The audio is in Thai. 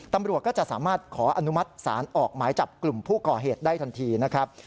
ตำรวจก็จะสามารถขออนุมัติศาลออกหมายจับกลุ่มผู้ก่อเหตุได้ทันทีนะครับ